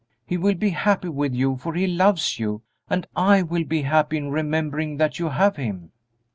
He will be happy with you, for he loves you, and I will be happy in remembering that you have him."